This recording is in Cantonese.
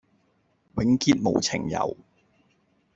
永結無情遊，